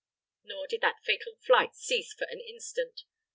Nor did that fatal flight cease for an instant.